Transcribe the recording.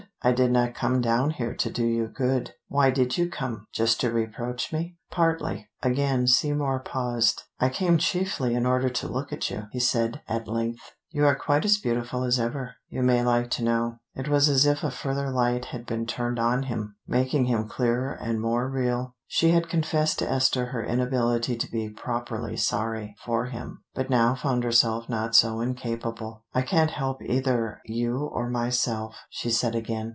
I did not come down here to do you good." "Why did you come? Just to reproach me?" "Partly." Again Seymour paused. "I came chiefly in order to look at you," he said at length. "You are quite as beautiful as ever, you may like to know." It was as if a further light had been turned on him, making him clearer and more real. She had confessed to Esther her inability to be "properly sorry" for him, but now found herself not so incapable. "I can't help either you or myself," she said again.